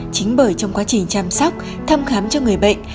chính bởi trong quá trình chăm sóc thăm khám cho người bệnh